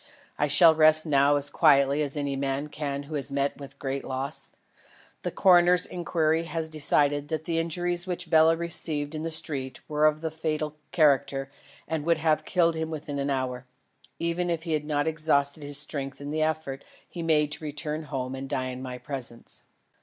I shall rest now as quietly as any man can who has met with a great loss. The coroner's inquiry has decided that the injuries which Bela received in the street were of a fatal character and would have killed him within an hour, even if he had not exhausted his strength in the effort he made to return to his home and die in my presence.